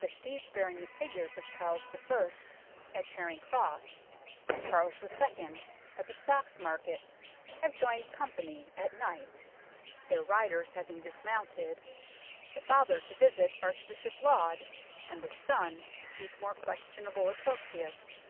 The steeds bearing the figures of Charles I. at Charing Cross, and Charles II. at the Stocks Market have joined company at night, their riders having dismounted, the father to visit Archbishop Laud, and the son to seek more questionable associates.